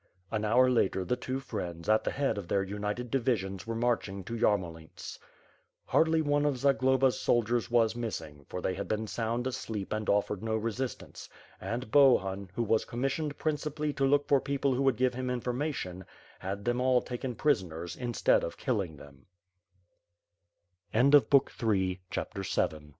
An hour later, the two friends, at the head of their united divisions were marching to Yarmolints. Hardly one o f Zagloba's soldiers was missing, for they had been sound asleep and offered no resistance; and Bohun, who was commissioned principally to look for people who would give him information, had them all tak